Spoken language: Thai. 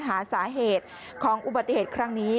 หาสาเหตุของอุบัติเหตุครั้งนี้